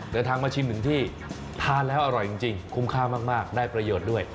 เดินทางมาชิมหนึ่งที่ทานแล้วอร่อยจริงคุ้มค่ามากได้ประโยชน์ด้วย